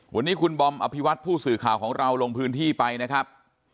วันนี้คุณบอมอภิวัตผู้สื่อข่าวของเราลงพื้นที่ไปนะครับ